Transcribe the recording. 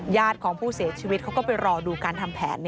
ญาติของผู้เสียชีวิตเขาก็ไปรอดูการทำแผน